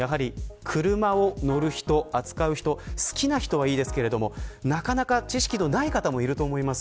車を乗る人、扱う人好きな人はいいですがなかなか知識のない方もいると思います。